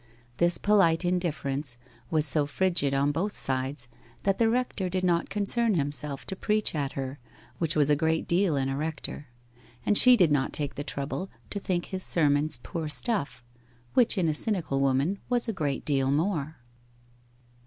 This polite indifference was so frigid on both sides that the rector did not concern himself to preach at her, which was a great deal in a rector; and she did not take the trouble to think his sermons poor stuff, which in a cynical woman was a great deal more.